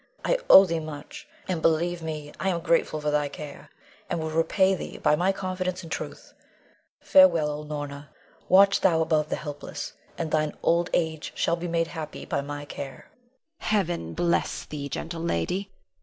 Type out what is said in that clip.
I owe thee much, and, believe me, I am grateful for thy care, and will repay thee by my confidence and truth. Farewell, old Norna; watch thou above the helpless, and thine old age shall be made happy by my care. Norna. Heaven bless thee, gentle lady.